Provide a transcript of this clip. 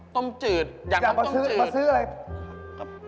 ต้มจืดอยากมาซื้ออะไร